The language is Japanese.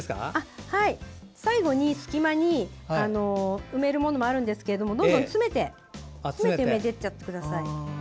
最後に隙間に置くものもあるんですがどんどん詰めて埋めていっちゃってください。